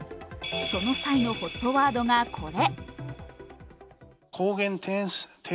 その際のＨＯＴワードがこれ。